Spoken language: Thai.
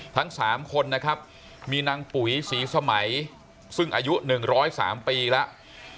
ทั้ง๓คนนะครับมีนางปุ๋ยศรีสมัยซึ่งอายุ๑๐๓ปีแล้ว